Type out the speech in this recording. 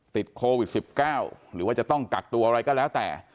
ติดโควิด๑๙หรือว่าจะต้องกักตัวอะไรก็แล้วแต่